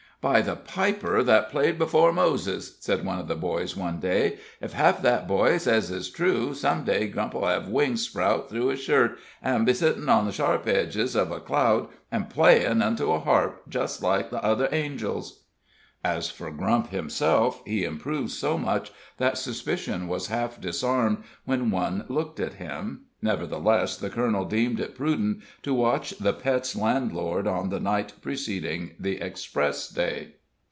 "By the piper that played before Moses," said one of the boys one day, "ef half that boy sez is true, some day Grump'll hev wings sprout through his shirt, an' 'll be sittin' on the sharp edge uv a cloud an' playin' onto a harp, jist like the other angels." As for Grump himself, he improved so much that suspicion was half disarmed when one looked at him; nevertheless the colonel deemed it prudent to watch the Pet's landlord on the night preceding the express day.